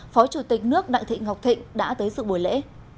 phó chủ tịch nước đặng thị ngọc thịnh đã tới sự buổi lễ